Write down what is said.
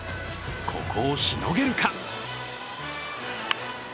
ここをしのげるか。